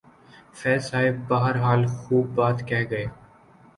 فیض صاحب بہرحال خوب بات کہہ گئے۔